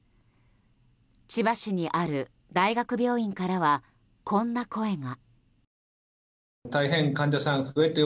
千葉市にある大学病院からはこんな声が。